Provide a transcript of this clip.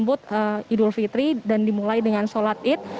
besok kita akan menyambut idul fitri dan dimulai dengan sholat id